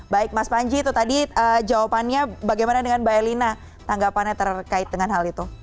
baik mas panji itu tadi jawabannya bagaimana dengan mbak elina tanggapannya terkait dengan hal itu